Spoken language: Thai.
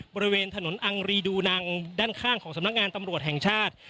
บริเวณถนนอังรีดูนังด้านข้างของสำนักงานตำรวจแห่งชาติ